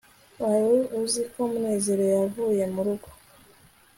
wari uzi ko munezero yavuye murugo